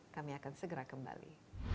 kami akan segera kembali